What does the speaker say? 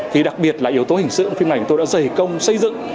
thì đặc biệt là yếu tố hình sự trong phim này thì tôi đã dày công xây dựng